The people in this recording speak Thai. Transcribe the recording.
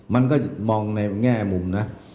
มันก็มองในแง่มุมนะ